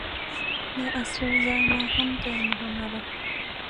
د اسرې ځای مو هم ته یې محمده.